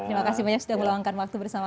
terima kasih banyak sudah meluangkan waktu bersama